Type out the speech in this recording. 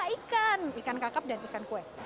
empat puluh lima dua ikan ikan kakep dan ikan kue